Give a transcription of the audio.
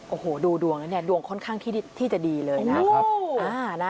โอ้โฮดูดวงนั้นดวงค่อนข้างที่จะดีเลยนะ